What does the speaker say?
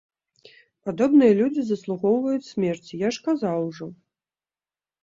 Падобныя людзі заслугоўваюць смерці, я ж казаў ужо.